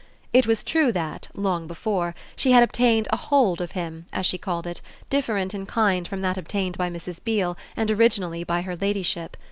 It was true that, long before, she had obtained a "hold" of him, as she called it, different in kind from that obtained by Mrs. Beale and originally by her ladyship.